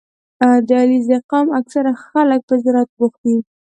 • د علیزي قوم اکثره خلک په زراعت بوخت دي.